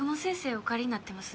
お帰りになってます？